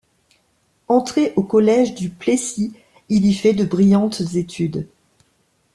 Entré au collège du Plessis, il y fait de brillantes études.